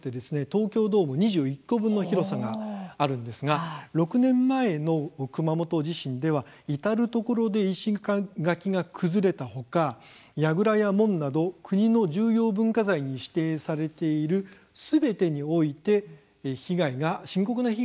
東京ドーム２１個分の広さがあるんですが６年前の熊本地震では至る所で石垣が崩れたほか櫓や門など国の重要文化財に指定されているすべてにおいて深刻な被害が出ました。